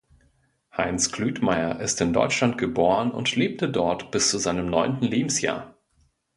Heinz Kluetmeier ist in Deutschland geboren und lebte dort bis zu seinem neunten Lebensjahr.